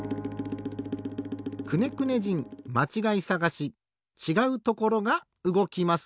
「くねくね人まちがいさがし」ちがうところがうごきます。